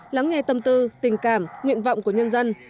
lắng nghe tâm tư tình cảm nguyện vọng của nhân dân